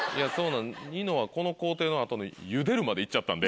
ニノはこの工程の後の「ゆでる」まで行っちゃったんで。